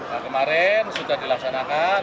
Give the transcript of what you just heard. nah kemarin sudah dilaksanakan